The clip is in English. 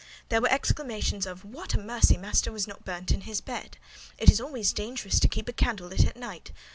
There were exclamations of "What a mercy master was not burnt in his bed!" "It is always dangerous to keep a candle lit at night."